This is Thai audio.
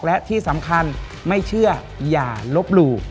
และที่สำคัญไม่เชื่ออย่าลบหลู่